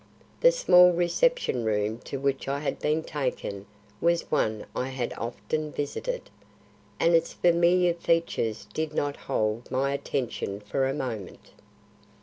The small reception room to which I had been taken was one I had often visited, and its familiar features did not hold my attention for a moment.